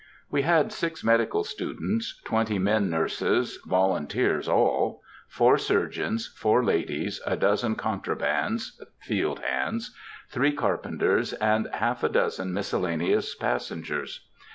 We had six medical students, twenty men nurses (volunteers all), four surgeons, four ladies, a dozen contrabands (field hands), three carpenters, and half a dozen miscellaneous passengers.